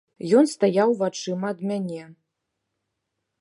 Ён стаяў вачыма ад мяне.